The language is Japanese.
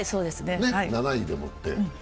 ７位でもって。